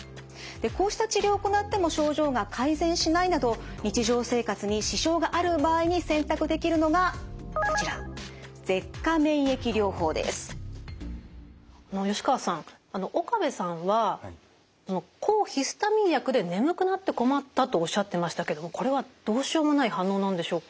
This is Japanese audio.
こうした治療を行っても症状が改善しないなど日常生活に支障がある場合に選択できるのがこちら吉川さん岡部さんは抗ヒスタミン薬で眠くなって困ったとおっしゃってましたけどもこれはどうしようもない反応なんでしょうか？